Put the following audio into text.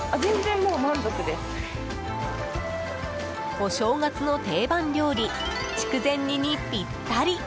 お正月の定番料理筑前煮にぴったり。